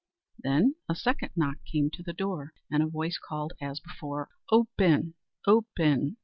Then a second knock came to the door, and a voice called as before, "Open! open!"